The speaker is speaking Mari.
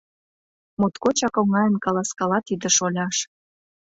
Моткочак оҥайын каласкала тиде шоляш...